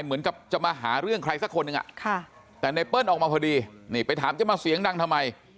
เหมือนกับจะมาหาเรื่องใครสักคนหนึ่งแต่ไนเปิ้ลออกมาพอดีนี่ไปถามจะมาเสียงดังทำไม